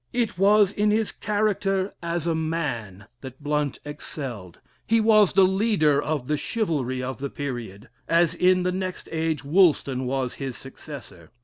It was in his character as a man that Blount excelled he was the leader of the chivalry of the period, as in the next age Woolston was his successor.